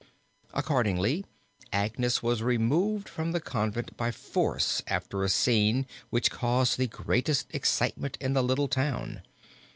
Accordingly Agnes was removed from the convent by force after a scene which caused the greatest excitement in the little town.